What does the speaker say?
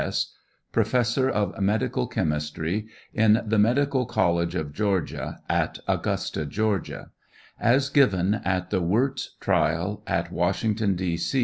C. S., Professor of Medical Chemistry in the Medical College of Georgia, at Augusta, Ga., as given at the Wirtz trial at Washington, D.